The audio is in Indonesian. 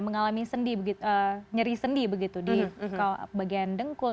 mengalami sendi nyeri sendi begitu di bagian dengkul